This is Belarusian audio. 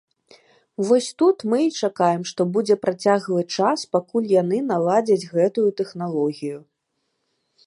Вось тут мы і чакаем, што будзе працяглы час, пакуль яны наладзяць гэтую тэхналогію.